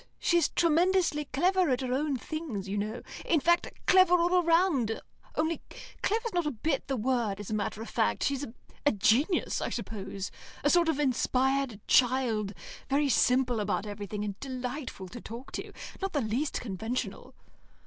She's tremendously clever at her own things, you know; in fact, clever all round, only clever's not a bit the word as a matter of fact. She's a genius, I suppose a sort of inspired child, very simple about everything, and delightful to talk to. Not the least conventional."